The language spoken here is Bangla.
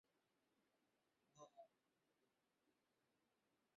হ্যাঁ, মানে যেভাবে হেলেদুলে চলে।